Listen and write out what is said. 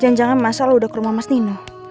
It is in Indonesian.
jangan jangan masa lo udah ke rumah mas nino